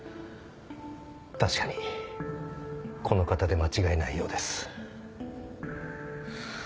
確かにこの方で間違いないようです。はあ。